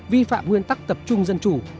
vi phạm nguyên tắc tập trung dân chủ